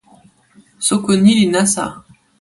soko ni li nasa.